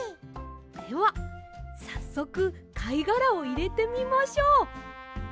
ではさっそくかいがらをいれてみましょう。